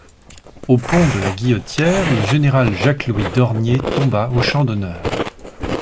Au pont de la Guillotière, le général Jacques Louis Dornier tomba au champ d'honneur.